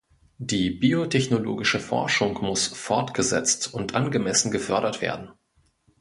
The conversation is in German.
Die biotechnologische Forschung muss fortgesetzt und angemessen gefördert werden.